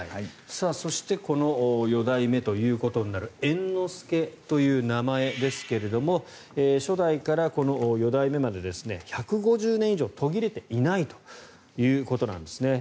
そしてこの四代目ということになる猿之助という名前ですが初代から四代目まで１５０年以上途切れていないということなんです。